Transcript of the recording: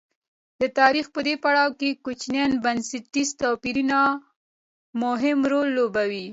د تاریخ په دې پړاو کې کوچني بنسټي توپیرونه مهم رول لوبوي.